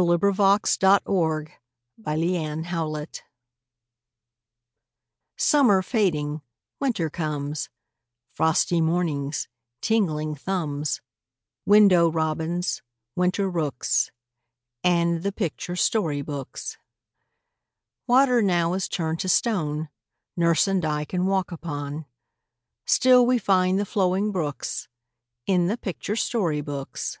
PICTURE BOOKS IN WINTER Summer fading, winter comes Frosty mornings, tingling thumbs, Window robins, winter rooks, And the picture story books. Water now is turned to stone Nurse and I can walk upon; Still we find the flowing brooks In the picture story books.